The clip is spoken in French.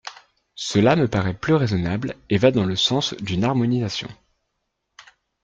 Cela me paraît plus raisonnable et va dans le sens d’une harmonisation.